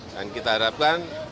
dan kita harapkan